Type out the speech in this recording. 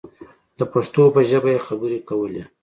د پښتو په ژبه یې خبرې کولې.